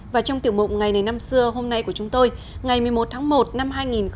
và trong tiểu mộng ngày này năm xưa hôm nay của chúng tôi ngày một mươi một tháng một năm hai nghìn hai mươi